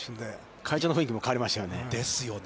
会場の雰囲気も変わりましたね。